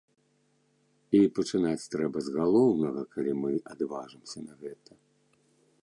І пачынаць трэба з галоўнага, калі мы адважымся на гэта.